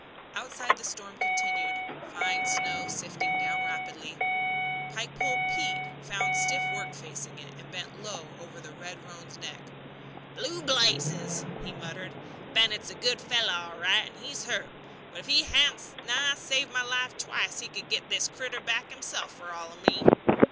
Outside the storm continued, fine snow sifting down rapidly. "Pikepole Pete" found stiff work facing it, and bent low over the red roan's neck. "Blue blazes!" he muttered. "Bennett's a good fellow all right, and he's hurt; but if he hadn't nigh saved my life twice he could get this critter back himself fer all of me!"